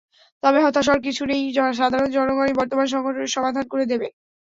তবে হতাশ হওয়ার কিছু নেই, সাধারণ জনগণই বর্তমান সংকটের সমাধান করে দেবে।